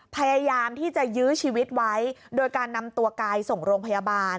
พยายามที่จะยื้อชีวิตไว้โดยการนำตัวกายส่งโรงพยาบาล